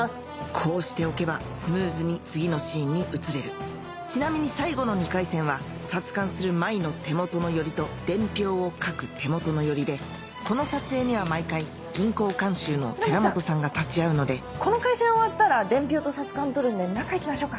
こうしておけばスムーズに次のシーンに移れるちなみに最後の２回戦は札勘する舞の手元の寄りと伝票を書く手元の寄りでこの撮影には毎回銀行監修の寺本さんが立ち会うのでこの回戦終わったら伝票と札勘撮るんで中行きましょうか。